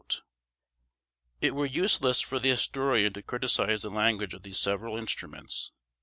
It were useless for the historian to criticise the language of these several instruments.